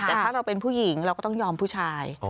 แต่ถ้าเราเป็นผู้หญิงเราก็ต้องยอมผู้ชาย